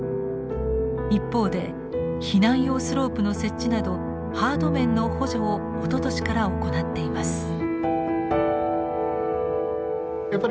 一方で避難用スロープの設置などハード面の補助をおととしから行っています。